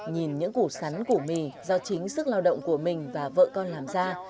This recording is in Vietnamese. nhìn những củ sắn củ mì do chính sức lao động của mình và vợ con làm ra